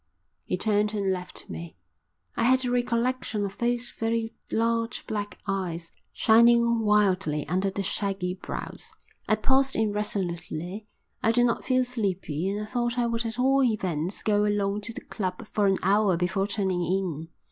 He turned and left me. I had a recollection of those very large black eyes, shining wildly under the shaggy brows. I paused irresolutely. I did not feel sleepy and I thought I would at all events go along to the club for an hour before turning in.